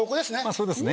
そうですね。